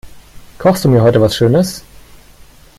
Kochst du mir heute was schönes?